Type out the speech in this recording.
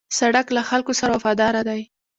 سړک له خلکو سره وفاداره دی.